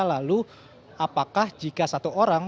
lalu apakah jika satu orang